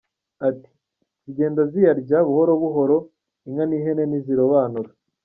Ati “Zigenda ziyarya buhoro buhoro, inka n’ihene ntizirobanura.